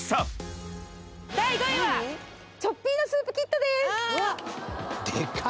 第５位はチョッピーノスープキットです！